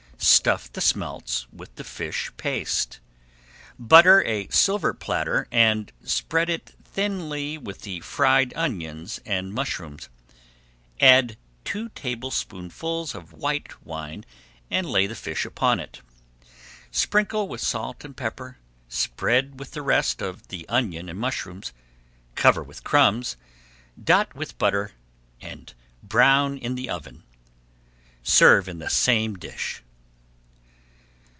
Stuff the smelts with the fish paste. Butter a silver platter and spread it thinly with the fried onions and mushrooms. Add two tablespoonfuls of white wine and lay the fish upon it. Sprinkle with salt and pepper, spread with the rest of the onion and mushrooms, cover with crumbs, dot with butter, and brown in the oven. Serve in the Same dish.